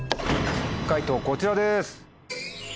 解答こちらです。